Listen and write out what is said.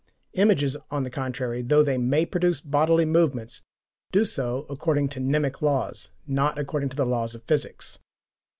Images, on the contrary, though they MAY produce bodily movements, do so according to mnemic laws, not according to the laws of physics.